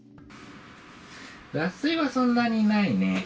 脱水はそんなにないね。